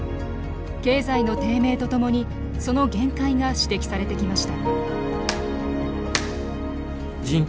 経済の低迷とともにその限界が指摘されてきました。